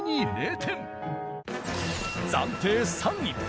暫定３位。